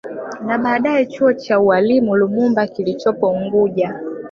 Na baadaye chuo cha ualimu Lumumba kilichopo unguja